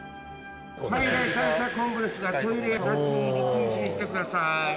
災害対策本部ですがトイレ立ち入り禁止にしてください。